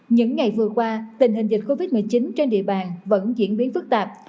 những ngày vừa qua tình hình dịch covid một mươi chín trên địa bàn vẫn diễn biến phức tạp